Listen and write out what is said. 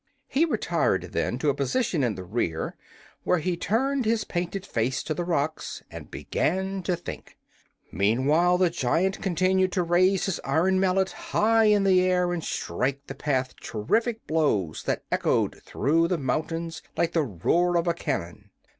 He retired, then, to a position in the rear, where he turned his painted face to the rocks and began to think. Meantime the giant continued to raise his iron mallet high in the air and to strike the path terrific blows that echoed through the mountains like the roar of a cannon.